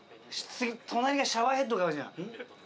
隣がシャワーヘッドがあるじゃん。